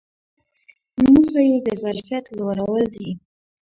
موخه یې د ظرفیت لوړول دي.